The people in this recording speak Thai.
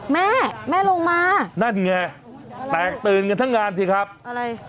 แม่แม่ลงมานั่นไงแตกตื่นกันทั้งงานสิครับอะไร